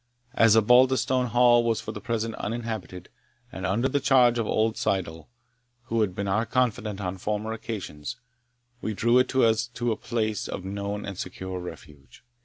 As Osbaldistone Hall was for the present uninhabited, and under the charge of old Syddall, who had been our confidant on former occasions, we drew to it as to a place of known and secure refuge.